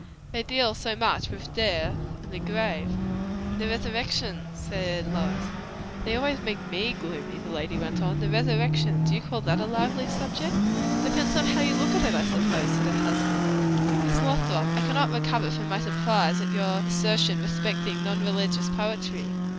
They deal so much with death and the grave." "And the resurrection!" said Lois. "They always make me gloomy," the lady went on. "The resurrection! do you call that a lively subject?" "Depends on how you look at it, I suppose," said her husband. "But, Miss Lothrop, I cannot recover from my surprise at your assertion respecting non religious poetry."